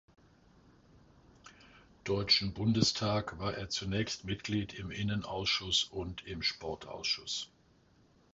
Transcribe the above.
Deutschen Bundestag war er zunächst Mitglied im Innenausschuss und im Sportausschuss.